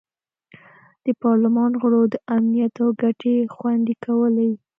د پارلمان غړو د امنیت او ګټې خوندي کولې.